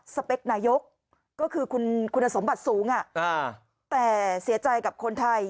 สเปคนายกก็คือคุณสมบัติสูงแต่เสียใจกับคนไทย